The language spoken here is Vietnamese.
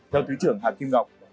theo thứ trưởng hà kim ngọc